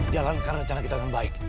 jalan karena rencana kita dengan baik